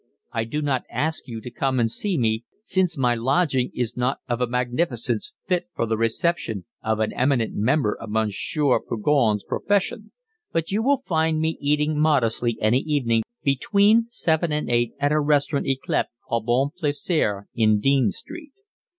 I do not ask you to come and see me, since my lodging is not of a magnificence fit for the reception of an eminent member of Monsieur Purgon's profession, but you will find me eating modestly any evening between seven and eight at a restaurant yclept Au Bon Plaisir in Dean Street.